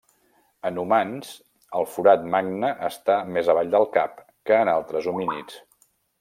En humans, el forat magne està més avall del cap que en altres homínids.